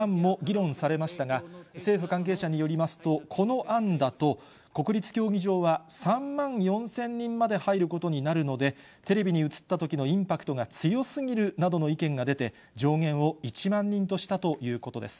政府内では、入場制限を収容人数の５０％以下のみとする案も議論されましたが、政府関係者によりますと、この案だと国立競技場は、３万４０００人まで入ることになるので、テレビに映ったときのインパクトが強すぎるなどの意見が出て、上限を１万人としたということです。